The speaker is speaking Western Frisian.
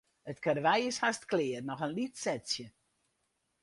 It karwei is hast klear, noch in lyts setsje.